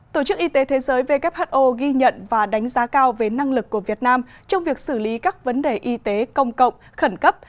tổ chức y tế thế giới who ghi nhận và đánh giá cao về năng lực của việt nam trong việc xử lý các vấn đề y tế công cộng khẩn cấp